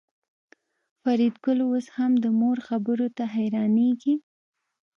فریدګل اوس هم د مور خبرو ته حیرانېږي